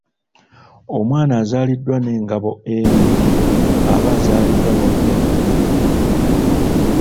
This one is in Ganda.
Omwana azaaliddwa n'engabo emu aba azaalidwa n’omukono gumu.